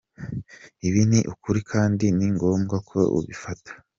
Ibi ni ukuri kandi ni ngombwa ko ubifata.